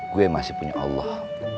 gue masih punya allah